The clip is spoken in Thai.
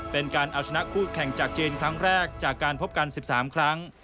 เป็นการเอาชนะคู่แข่งจากจีนครั้งแรกจากการพบกัน๑๓ครั้ง